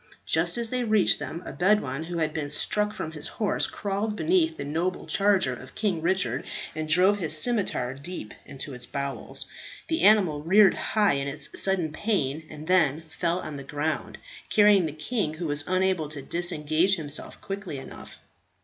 Just as they reached them a Bedouin who had been struck from his horse crawled beneath the noble charger of King Richard, and drove his scimitar deep into its bowels. The animal reared high in its sudden pain, and then fell on the ground, carrying the king, who was unable to disengage himself quickly enough.